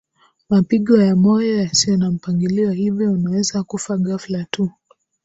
mapigo ya moyo yasiyo na mpangilio hivyo unaweza kufa ghafla tu